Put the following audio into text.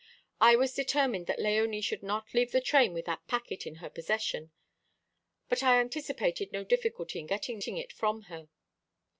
I was determined that Léonie should not leave the train with that packet in her possession, but I anticipated no difficulty in getting it from her.